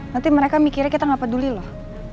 nanti mereka mikirnya kita nggak peduli loh